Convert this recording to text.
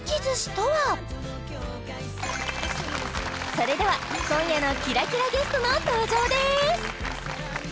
それでは今夜のキラキラゲストの登場です！